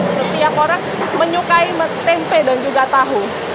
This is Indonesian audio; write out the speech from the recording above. setiap orang menyukai tempe dan juga tahu